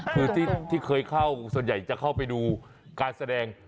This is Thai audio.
คือที่เคยเข้าส่วนใหญ่จะเข้าไปดูการแสดง